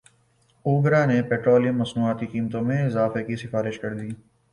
اوگرا نے پیٹرولیم مصنوعات کی قیمتوں میں اضافے کی سفارش کردی